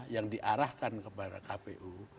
yang diarahkan kepada kpu